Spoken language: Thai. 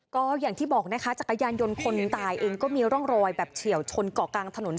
ก็อย่างที่บอกนะคะจักรยานยนต์คนตายเองก็มีร่องรอยแบบเฉียวชนเกาะกลางถนน